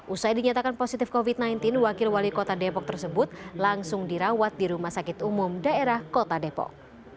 usai dinyatakan positif covid sembilan belas wakil wali kota depok tersebut langsung dirawat di rumah sakit umum daerah kota depok